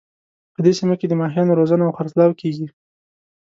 په دې سیمه کې د ماهیانو روزنه او خرڅلاو کیږي